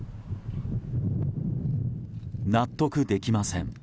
納得できません。